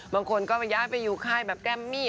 บางคนก็ย้ายไปอยู่ค่ายแบบแกมมี่